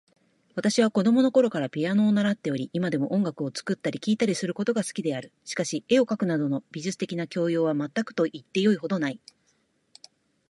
私は子供のころからピアノを習っており、今でも音楽を作ったり聴いたりすることが好きである。しかし、絵を描くなどの美術的な教養は全くと言ってよいほどない。